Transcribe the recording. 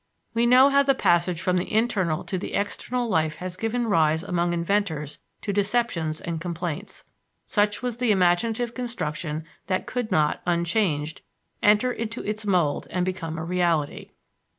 We know how the passage from the internal to the external life has given rise among inventors to deceptions and complaints. Such was the imaginative construction that could not, unchanged, enter into its mould and become a reality.